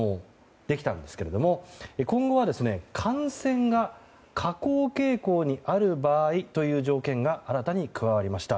できたんですけれども今後は、感染が下降傾向にある場合という条件が新たに加わりました。